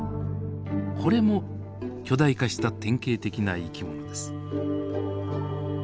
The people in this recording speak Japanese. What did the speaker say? これも巨大化した典型的な生き物です。